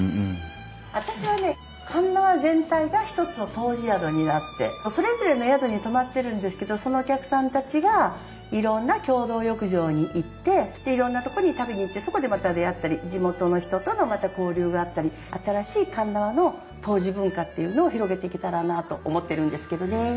私はね鉄輪全体が一つの湯治宿になってそれぞれの宿に泊まってるんですけどそのお客さんたちがいろんな共同浴場に行ってでいろんなとこに食べに行ってそこでまた出会ったり地元の人との交流があったり新しい鉄輪の湯治文化っていうのを広げていけたらなあと思ってるんですけどねえ。